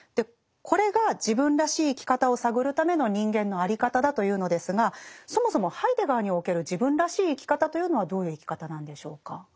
これが自分らしい生き方を探るための人間のあり方だというのですがそもそもハイデガーにおける自分らしい生き方というのはどういう生き方なんでしょうか？